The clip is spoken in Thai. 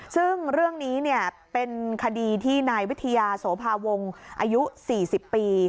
ซึ่งเรื่องนี้เป็นคดีที่นายวิทยาโสภาวงศ์อายุ๔๐ปี